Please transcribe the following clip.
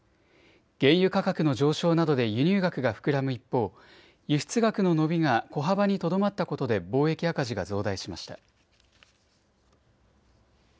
原油価格の上昇などで輸入額が膨らむ一方、輸出額の伸びが小幅にとどまったことで貿易赤字が増大しました。